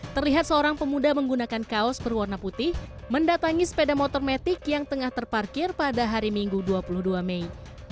terlihat seorang pemuda menggunakan kaos berwarna putih mendatangi sepeda motor metik yang tengah terparkir pada hari minggu dua puluh dua mei